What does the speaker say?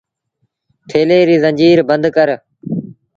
ٿيلي ريٚ زنجيٚر بند ڪر